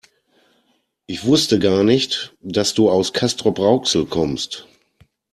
Ich wusste gar nicht, dass du aus Castrop-Rauxel kommst